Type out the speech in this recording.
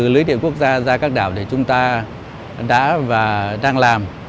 lưới điện quốc gia ra các đảo để chúng ta đã và đang làm